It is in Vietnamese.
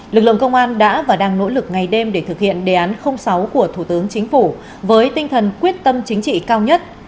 lực lượng công an đã và đang nỗ lực ngày đêm để thực hiện đề án sáu của thủ tướng chính phủ với tinh thần quyết tâm chính trị cao nhất